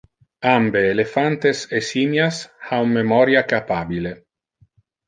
Ambe elephantes e simias ha un memoria capabile.